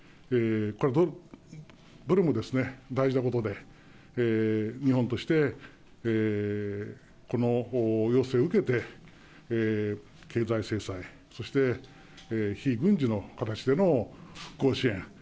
これはどれも大事なことで日本としてこの要請を受けて、経済制裁そして非軍事の形での復興支援。